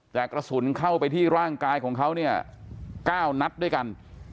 แต่กระสุนเข้าไปที่ร่างกายของเขาเนี่ย๙นัดด้วยกัน